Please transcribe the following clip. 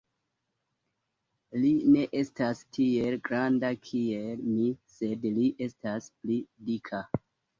Li ne estas tiel granda kiel mi, sed li estas pli dika.